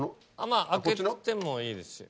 まぁ開けてもいいですし。